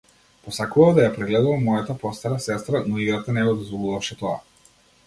Посакував да ја прегледувам мојата постара сестра, но играта не го дозволуваше тоа.